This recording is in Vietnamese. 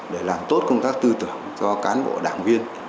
để làm tốt công tác tư tưởng cho cán bộ đảng viên